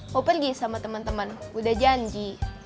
mau pergi sama teman teman udah janji